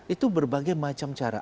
itu berbagai macam cara